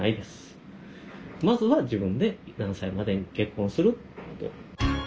まずは自分で何歳までに結婚するって。